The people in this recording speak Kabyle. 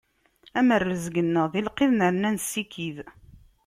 Am rrezg-nneɣ di lqid, nerna nessikid.